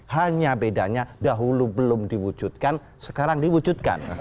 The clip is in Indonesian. hanya bedanya dahulu belum diwujudkan sekarang diwujudkan